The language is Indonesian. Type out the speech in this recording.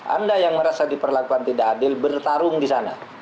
anda yang merasa diperlakukan tidak adil bertarung di sana